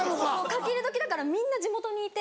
書き入れ時だからみんな地元にいて。